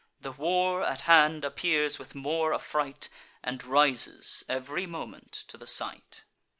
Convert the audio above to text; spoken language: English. The war at hand appears with more affright, And rises ev'ry moment to the sight.